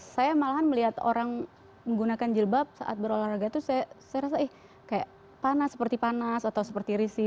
saya malahan melihat orang menggunakan jilbab saat berolahraga itu saya rasa ih kayak panas seperti panas atau seperti risih